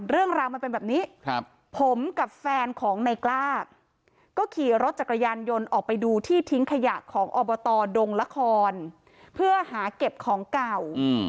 เรื่องราวมันเป็นแบบนี้ผมกับแฟนของในกล้าก็ขี่รถจักรยานยนต์ออกไปดูที่ทิ้งขยะของอบตดงละครเพื่อหาเก็บของเก่า